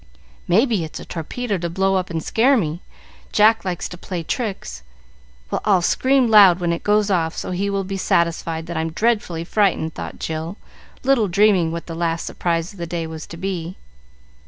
"May be it's a torpedo to blow up and scare me; Jack likes to play tricks. Well, I'll scream loud when it goes off, so he will be satisfied that I'm dreadfully frightened," thought Jill, little dreaming what the last surprise of the day was to be.